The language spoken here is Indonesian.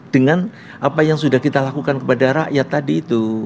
dengan apa yang sudah kita lakukan kepada rakyat tadi itu